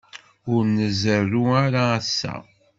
Ur nzerrew ara ass-a.